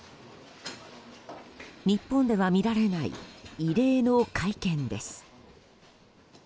日本では見られない異例の会見です。